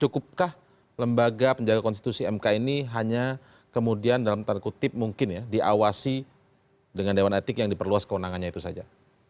cukupkah lembaga penjaga konstitusi mk ini hanya kemudian dalam tanda kutip mungkin ya diawasi dengan dewan etik yang diperluas kewenangannya itu saja